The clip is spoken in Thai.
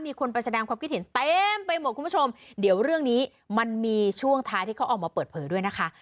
มีคนไปแสดงความคิดเห็นเต็มไปหมดคุณผู้ชมเดี๋ยวเรื่องนี้มันมีช่วงท้ายที่เขาออกมาเปิดเผยด้วยนะคะ